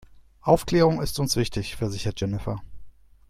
Aufklärung ist uns wichtig, versichert Jennifer.